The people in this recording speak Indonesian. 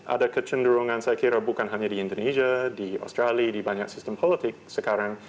ada kecenderungan saya kira bukan hanya di indonesia di australia di banyak sistem politik sekarang